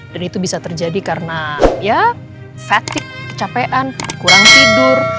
dan itu bisa terjadi karena ya fatigue kecapean kurang tidur